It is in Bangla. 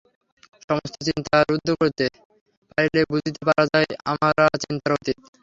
সমস্ত চিন্তা রুদ্ধ করিতে পারিলে বুঝিতে পারা যায় যে, আমরা চিন্তার অতীত।